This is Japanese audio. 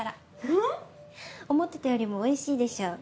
えっ？思ってたよりもおいしいでしょ。